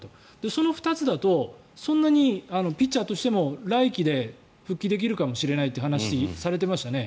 その２つだと、そんなにピッチャーとしても来季で復帰できるかもしれないという話をされていましたね。